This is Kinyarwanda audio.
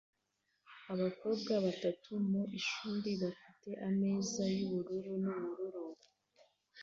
Abakobwa batatu mu ishuri bafite ameza yubururu nubururu